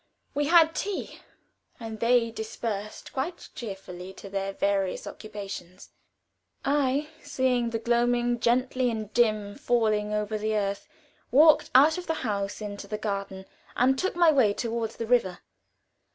We had tea, and they dispersed quite cheerfully to their various occupations. I, seeing the gloaming gently and dim falling over the earth, walked out of the house into the garden, and took my way toward the river.